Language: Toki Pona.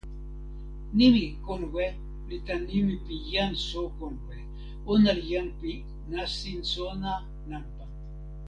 nimi "konwe" li tan nimi pi jan So Konwe. ona li jan pi nasin sona nanpa.